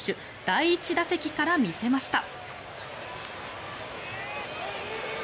第１打席から見せました。